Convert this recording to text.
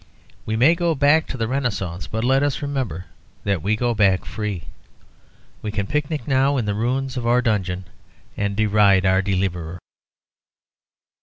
We may go back to the Renaissance, but let us remember that we go back free. We can picnic now in the ruins of our dungeon and deride our deliverer.